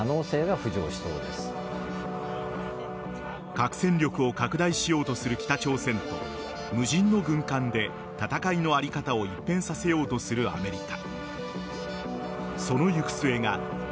核戦力を拡大しようとする北朝鮮と無人の軍艦で戦いの在り方を一変させようとするアメリカ。